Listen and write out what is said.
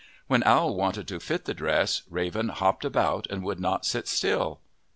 When Owl wanted to fit the dress, Raven hopped about and would not sit still.